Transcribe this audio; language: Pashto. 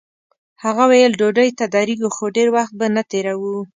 هغه ویل ډوډۍ ته درېږو خو ډېر وخت به نه تېروو.